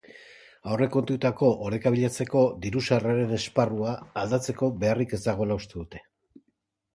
Aurrekontuetako oreka bilatzeko diru-sarreren esparrua aldatzeko beharrik ez dagoela uste dute enpresaburuek.